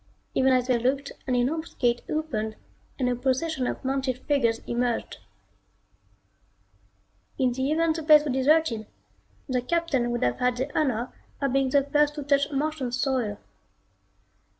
Even as they looked an enormous gate opened and a procession of mounted figures emerged. In the event the place was deserted, the Captain would have had the honor of being the first to touch Martian soil.